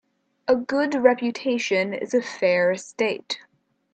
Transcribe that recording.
A good reputation is a fair estate.